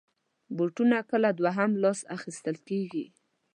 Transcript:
بوټونه کله دوهم لاس اخېستل کېږي.